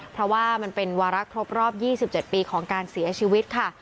เพราะว่ามันเป็นวาระครบรอบ๒๗ปีของการเสียชีวิตค่ะ